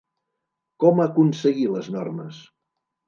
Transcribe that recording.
Com aconseguir les normes?